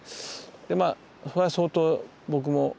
でまあそれは相当僕も家族もね